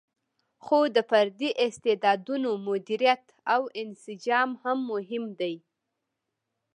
خو د فردي استعدادونو مدیریت او انسجام هم مهم دی.